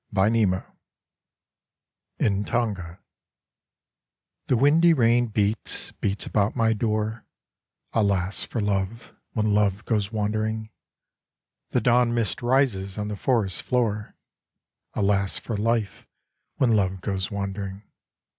XXXV In Tonga The windy rain beats, beats about my door Alas for love when love goes wandering! The dawn mist rises on the forest floor Alas for life when love goes wandering!